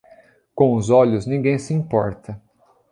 Com os olhos, ninguém se importa.